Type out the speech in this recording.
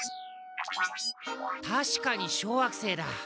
確かに小惑星だ。